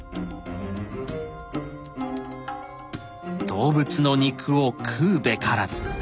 「動物の肉を食うべからず」。